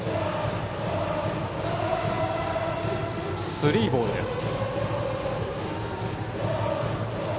スリーボールです。